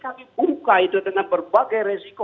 kami buka itu dengan berbagai resiko